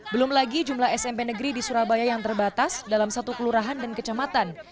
belum lagi jumlah smp negeri di surabaya yang terbatas dalam satu kelurahan dan kecamatan